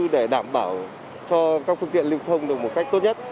để đảm bảo cho các phương tiện lưu thông được một cách tốt nhất